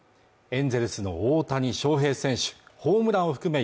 エンゼルスの大谷翔平選手ホームランを含む